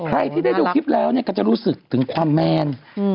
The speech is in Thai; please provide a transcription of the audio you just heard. ใครที่ได้ดูคลิปแล้วก็จะรู้สึกถึงความแมน